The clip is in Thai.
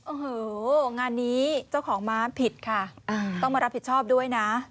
โอ้โหงานนี้เจ้าของม้าผิดค่ะต้องมารับผิดชอบด้วยนะ